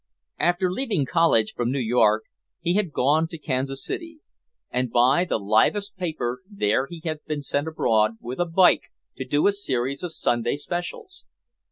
After leaving college, from New York he had gone to Kansas City, and by the "livest paper" there he had been sent abroad with a bike to do a series of "Sunday specials."